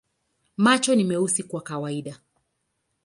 Macho ni meusi kwa kawaida.